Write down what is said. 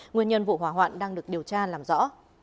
nguyên nhân vụ hỏa hoạn đang được điều tra làm rõ